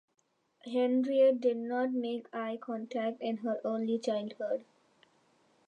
Henriett did not make eye contact in her early childhood.